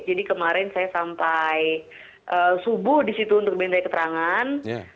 jadi kemarin saya sampai subuh di situ untuk mendengarkan keterangan